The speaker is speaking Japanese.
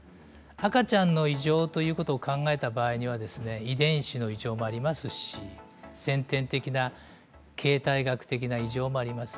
赤ちゃんの異常ということを考えた場合には遺伝子の異常もありますし先天的な形態学的な異常もあります。